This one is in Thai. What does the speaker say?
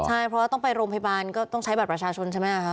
ใช่เพราะว่าต้องไปโรงพยาบาลก็ต้องใช้บัตรประชาชนใช่ไหมคะ